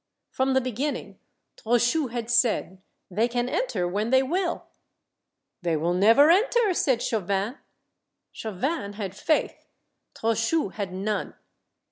" From the beginning Trochu had said, " They can enter when they will !"" They will never enter !" said Chauvin. Chau vin had faith, Trochu had none.